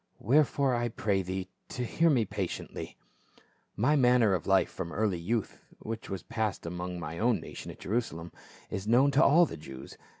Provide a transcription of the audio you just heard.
Wherefore I pray thee to hear me patiently. " My manner of life from early youth — which was passed among my own nation at Jerusalem — is known to all the Jews.